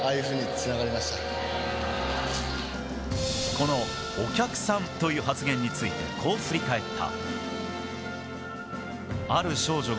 この、お客さんという発言について、こう振り返った。